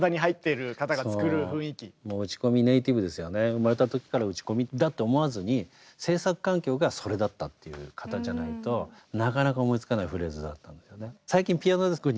生まれた時から打ち込みだって思わずに制作環境がそれだったっていう方じゃないとなかなか思いつかないフレーズだったんですね。